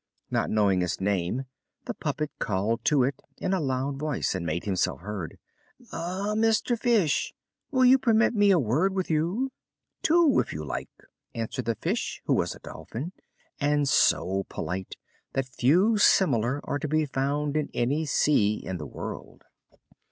Not knowing its name, the puppet called to it in a loud voice to make himself heard: "Eh, Sir Fish, will you permit me a word with you?" "Two if you like," answered the fish, who was a Dolphin, and so polite that few similar are to be found in any sea in the world.